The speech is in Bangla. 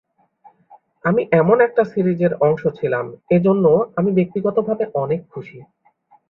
আমি এমন একটা সিরিজের অংশ ছিলাম, এ জন্য আমি ব্যক্তিগতভাবে অনেক খুশি।